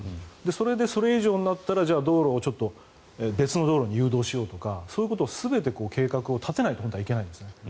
それで、それ以上になったら別の道路に誘導しようとかそういうことを全て計画を立てないと本当はいけないんですね。